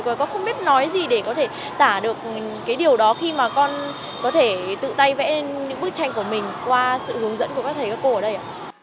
và con không biết nói gì để có thể tả được cái điều đó khi mà con có thể tự tay vẽ những bức tranh của mình qua sự hướng dẫn của các thầy các cô ở đây ạ